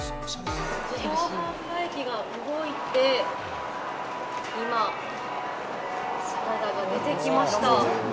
自動販売機が動いて、今、サラダが出てきました。